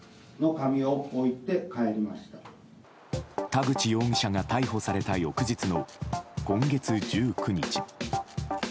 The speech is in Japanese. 田口容疑者が逮捕された翌日の今月１９日。